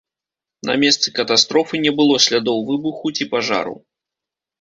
На месцы катастрофы не было слядоў выбуху ці пажару.